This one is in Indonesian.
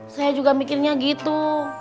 saya juga mikirnya gitu